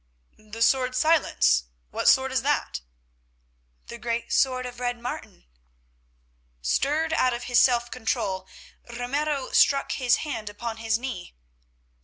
"The sword Silence? What sword is that?" "The great sword of Red Martin." Stirred out of his self control, Ramiro struck his hand upon his knee.